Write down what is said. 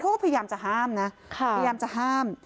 เขาก็พยายามจะห้ามนะพยายามจะห้าม